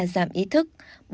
ba giảm ý thức